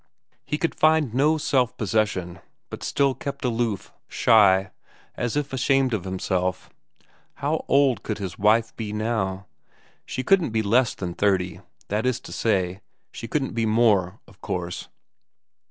He could find no self possession, but still kept aloof, shy, as if ashamed of himself. How old could his wife be now? She couldn't be less than thirty that is to say, she couldn't be more, of course.